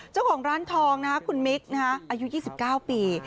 เจ้าของร้านทองคุณมิกอายุ๒๙ปี